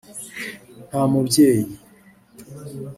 nta mubyeyi